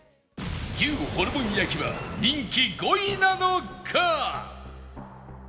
牛ホルモン焼は人気５位なのか？